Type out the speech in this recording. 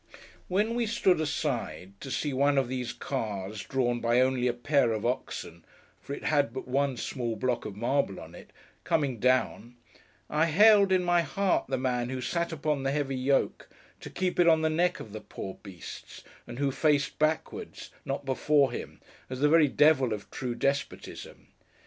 When we stood aside, to see one of these cars drawn by only a pair of oxen (for it had but one small block of marble on it), coming down, I hailed, in my heart, the man who sat upon the heavy yoke, to keep it on the neck of the poor beasts—and who faced backwards: not before him—as the very Devil of true despotism.